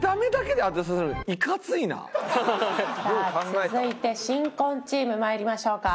さあ続いて新婚チームまいりましょうか。